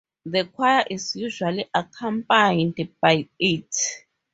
The choir is usually accompanied by it.